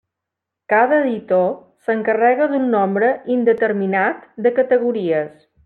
Cada editor s'encarrega d'un nombre indeterminat de categories.